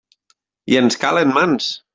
I ens calen mans!